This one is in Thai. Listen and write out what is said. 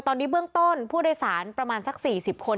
ตอนนี้เบื้องต้นผู้โดยสารประมาณสัก๔๐คน